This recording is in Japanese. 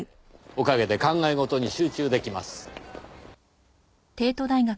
おかげで考え事に集中出来ます。